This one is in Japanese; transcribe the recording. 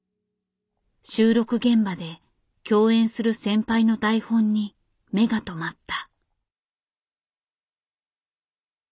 収録現場で共演する先輩の台本に目が留まった。